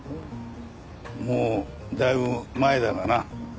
もうだいぶ前だがな。